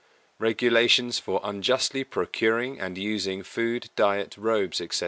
Regulations for justly procuring and using food, diet, robes, etc.